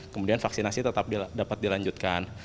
kemudian vaksinasi tetap dapat dilanjutkan